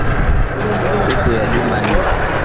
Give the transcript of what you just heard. siku ya Jumanne